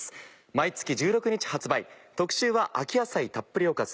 毎月１６日発売特集は「秋野菜たっぷりおかず」。